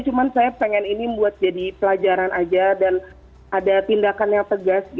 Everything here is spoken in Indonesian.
cuma saya pengen ini buat jadi pelajaran aja dan ada tindakan yang tegas